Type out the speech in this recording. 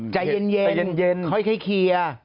ใจเย็นค่อยเคียร์